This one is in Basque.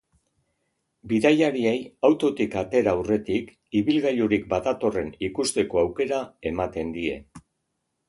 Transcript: Bidaiariei, autotik atera aurretik, ibilgailurik badatorren ikusteko aukera ematen die.